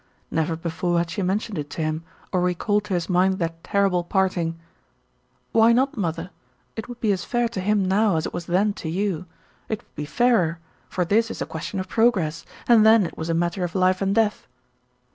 Never before had she mentioned it to him, or recalled to his mind that terrible parting. "Why not, mother? It would be as fair to him now as it was then to you. It would be fairer; for this is a question of progress, and then it was a matter of life and death."